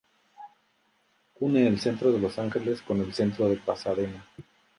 Une el centro de Los Ángeles con el centro de Pasadena.